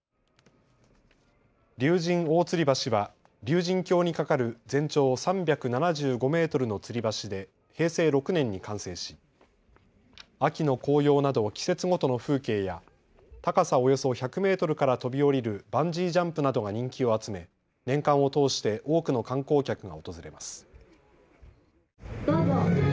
竜神大吊橋は竜神峡に架かる全長３７５メートルのつり橋で平成６年に完成し秋の紅葉など季節ごとの風景や高さおよそ１００メートルから飛び降りるバンジージャンプなどが人気を集め年間を通して多くの観光客が訪れます。